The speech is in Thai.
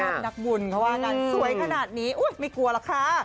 นักบุญเขาว่ากันสวยขนาดนี้ไม่กลัวหรอกค่ะ